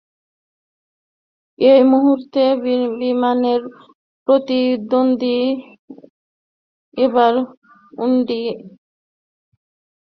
এই মুহূর্তে বিমানের প্রতিদ্বন্দ্বী এয়ার ইন্ডিয়া, সাউদিয়া, ইত্তেহাদ ও এমিরেটস।